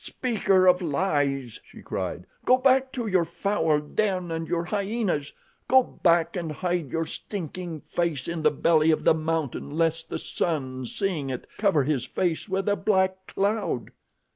"Speaker of lies," she cried, "go back to your foul den and your hyenas. Go back and hide your stinking face in the belly of the mountain, lest the sun, seeing it, cover his face with a black cloud."